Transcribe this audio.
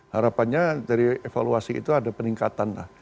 harapannya dari evaluasi itu ada peningkatan